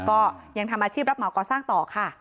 ก็ยังทำอาชีพรับเหมาก่อสร้างต่อค่ะ